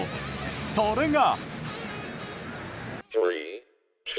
それが。